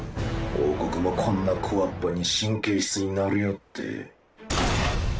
王国もこんな小童に神経質になりおって。